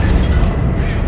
hurilan atau maksud